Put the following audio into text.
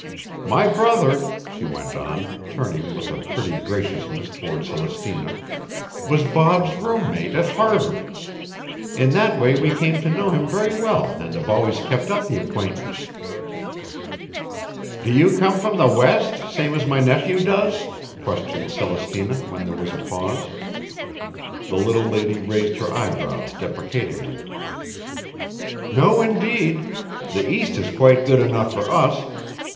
My brother," she went on, turning with a pretty graciousness toward Celestina, "was Bob's roommate at Harvard. In that way we came to know him very well and have always kept up the acquaintance." "Do you come from the West, same as my nephew does?" questioned Celestina when there was a pause. The little lady raised her eyebrows deprecatingly. "No, indeed! The East is quite good enough for us.